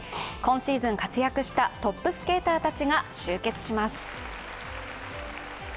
今シーズン活躍したトップスケーターたちが集結します。